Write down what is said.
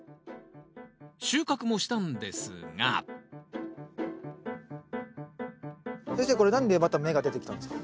収穫もしたんですが先生これ何でまた芽が出てきたんですか？